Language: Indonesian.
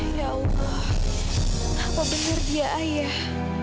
ya allah apa benar dia ayah